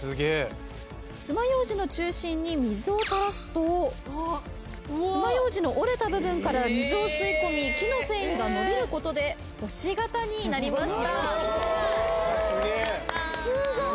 つまようじの中心に水を垂らすとつまようじの折れた部分から水を吸い込み木の繊維が伸びることで星形になりました。